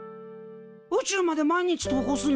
宇宙まで毎日登校すんの？